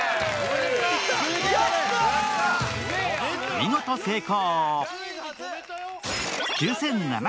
見事成功！